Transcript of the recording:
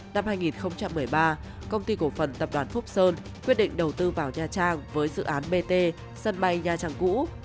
năm hai nghìn một mươi ba công ty cổ phần tập đoàn phúc sơn quyết định đầu tư vào nha trang với dự án bt sân bay nha trang cũ